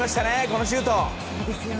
このシュート。